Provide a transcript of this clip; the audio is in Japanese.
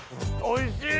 おいしい！